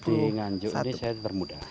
dengan juga saya bermuda